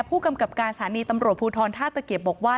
ผู้กำกับการสถานีตำรวจภูทรท่าตะเกียบบอกว่า